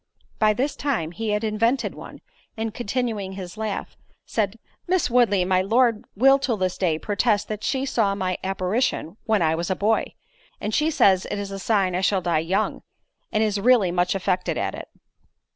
By this time he had invented one, and, continuing his laugh, said, "Miss Woodley, my Lord, will to this day protest that she saw my apparition when I was a boy; and she says it is a sign I shall die young, and is really much affected at it."